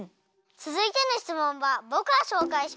つづいてのしつもんはぼくがしょうかいしますね。